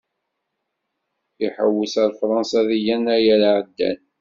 Ihewwes ar Fransa deg Yennayer iɛeddan.